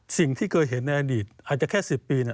สิ่งที่เคยเห็นในอดีตอาจจะแค่๑๐ปี